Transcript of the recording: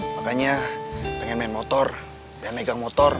makanya pengen main motor pengen megang motor